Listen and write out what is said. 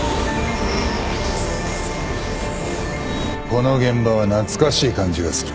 この現場は懐かしい感じがする